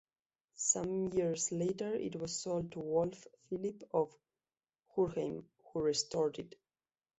Some years later it was sold to Wolff Philipp of Huernheim, who restored it.